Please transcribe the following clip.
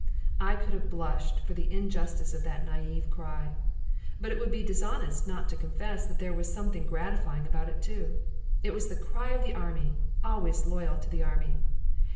I could have blushed for the injustice of that naïve cry. But it would be dishonest not to confess that there was something gratifying about it too. It was the cry of the Army, always loyal to the Army.